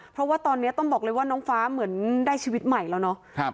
เพราะว่าตอนนี้ต้องบอกเลยว่าน้องฟ้าเหมือนได้ชีวิตใหม่แล้วเนาะ